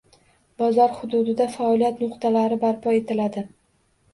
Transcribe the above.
Bozor hududida faoliyat nuqtalari barpo etiladi.